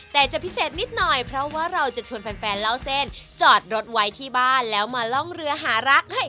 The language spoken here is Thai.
แต่จะพิเศษนิดหน่อยเพราะว่าเราจะชวนแฟนเล่าเส้นจอดรถไว้ที่บ้านแล้วมาล่องเรือหารัก